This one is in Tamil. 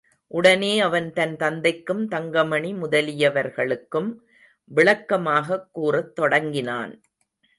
உடனே அவன் தன் தந்தைக்கும், தங்கமணி முதலியவர்களுக்கும் விளக்கமாகக் கூறத் தொடங்கினான்.